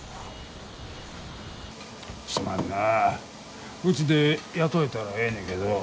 すまんなうちで雇えたらええねけど。